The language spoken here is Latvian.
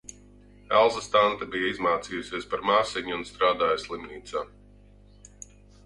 Elzas tante bija izmācījusies par māsiņu un strādāja slimnīcā.